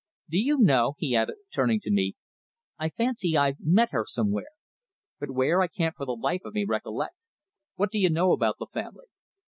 "Do you know?" he added, turning to me, "I fancy I've met her somewhere but where I can't for the life of me recollect. What do you know about the family?"